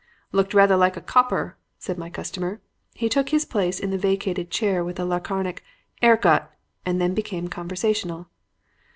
"'Looked rather like a copper,' said my customer. He took his place in the vacated chair with a laconic ''Air cut,' and then became conversational.